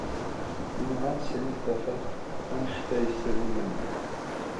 Imɣan srin tafat anect ay srin aman.